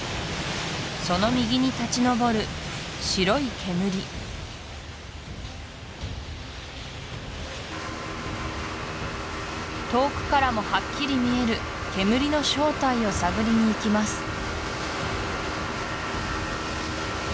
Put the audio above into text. その右に立ち上る白い煙遠くからもはっきり見える煙の正体を探りにいきます